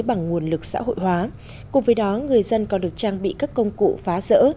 bằng nguồn lực xã hội hóa cùng với đó người dân còn được trang bị các công cụ phá rỡ